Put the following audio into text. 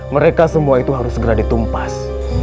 mereka semua itu harus segera ditumpas